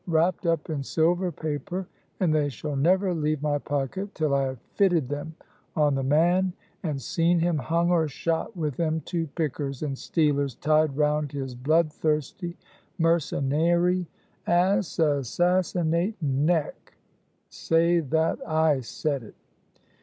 wrapped up in silver paper, and they shall never leave my pocket till I have fitted them on the man, and seen him hung or shot with them two pickers and stealers tied round his bloodthirsty, mercenairy, aass aassinating neck, say that I said it."